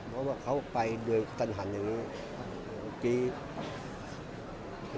เพราะว่าเขาไปเดินตันหันอย่างนี้